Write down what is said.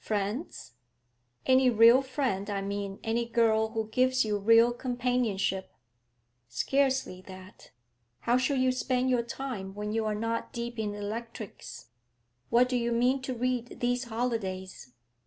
'Friends?' 'Any real friend, I mean any girl who gives you real companionship?' 'Scarcely that.' 'How shall you spend your time when you are not deep in electrics? What do you mean to read these holidays?'